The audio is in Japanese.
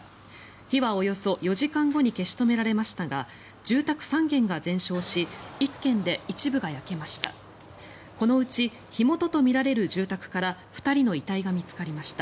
火はおよそ４時間後に消し止められましたが住宅３軒が全焼し１軒で一部が焼けました。